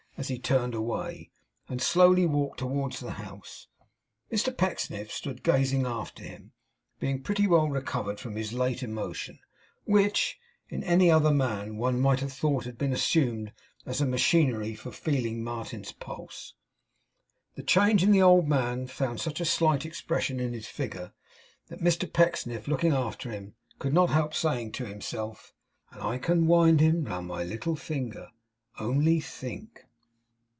As he turned away, and slowly walked towards the house, Mr Pecksniff stood gazing after him; being pretty well recovered from his late emotion, which, in any other man, one might have thought had been assumed as a machinery for feeling Martin's pulse. The change in the old man found such a slight expression in his figure, that Mr Pecksniff, looking after him, could not help saying to himself: 'And I can wind him round my little finger! Only think!